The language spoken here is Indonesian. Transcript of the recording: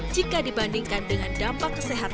jika dibandingkan dengan dampak kesehatan